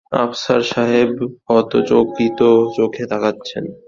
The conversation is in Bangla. আফসার সাহেব হতচকিত চোখে তাকাচ্ছেন।